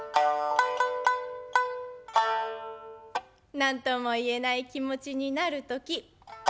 何とも言えない気持ちになる時。